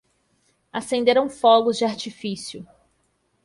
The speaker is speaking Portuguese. Acenderam fogos de artifício.